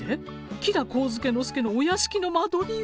吉良上野介のお屋敷の間取りよ！